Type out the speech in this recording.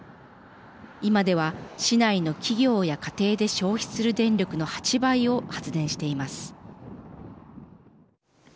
今では、市内の企業や家庭で消費する電力の８倍を発電しています。